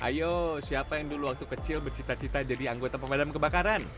ayo siapa yang dulu waktu kecil bercita cita jadi anggota pemadam kebakaran